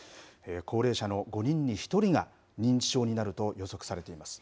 高齢者の５人に１人が認知症になると予測されています。